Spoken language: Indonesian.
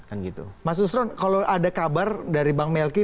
mas nusron kalau ada kabar dari bang melki